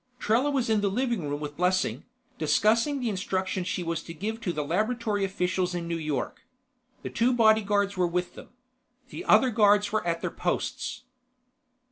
Trella was in the living room with Blessing, discussing the instructions she was to give to the laboratory officials in New York. The two bodyguards were with them. The other guards were at their posts.